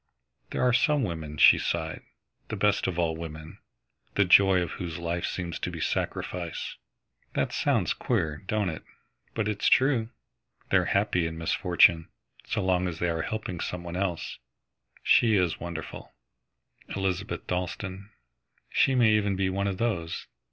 "There are some women," she sighed, "the best of all women, the joy of whose life seems to be sacrifice. That sounds queer, don't it, but it's true. They're happy in misfortune, so long as they are helping some one else. She is wonderful, Elizabeth Dalstan. She may even be one of those.